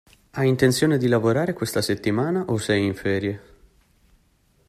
Hai intenzione di lavorare questa settimana o sei in ferie?